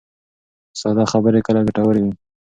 ساده خبرې کله ګټورې وي.